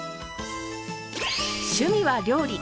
趣味は料理。